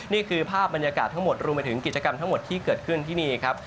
นี่คือภาพบรรยากาศทั้งหมดรวมไปถึงกิจกรรมทั้งหมดที่เกิดขึ้นที่นี่ครับ